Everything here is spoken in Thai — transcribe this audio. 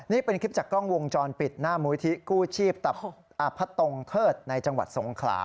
นี่เป็นคลิปจากกล้องวงจรปิดหน้ามุยที่กู้ชีพตับพะตงเทิดในจังหวัดสงขลา